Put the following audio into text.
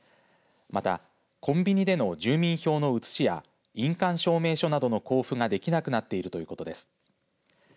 また、コンビニでの住民票の写しや印鑑証明書などの交付ができなくなっているということです。